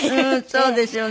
そうですよね。